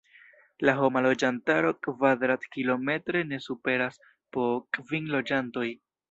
La homa loĝantaro kvadrat-kilometre ne superas po kvin loĝantoj.